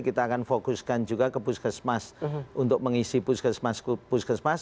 kita akan fokuskan juga ke puskesmas untuk mengisi puskesmas